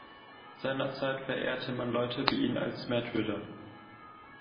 Seinerzeit verehrte man Leute wie ihn als Märtyrer.